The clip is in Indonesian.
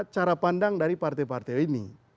cara pandang dari partai partai ini